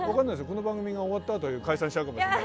この番組が終わったあと解散しちゃうかもしれない。